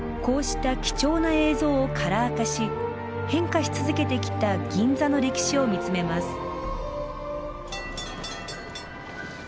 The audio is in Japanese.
こうした貴重な映像をカラー化し変化し続けてきた銀座の歴史を見つめます。